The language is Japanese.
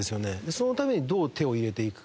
そのためにどう手を入れていくか。